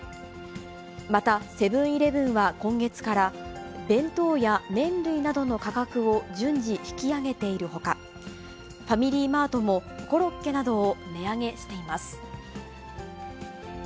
またセブンーイレブンは今月から、弁当や麺類などの価格を順次引き上げているほか、ファミリーマートも、コロッケなどを値上げしています。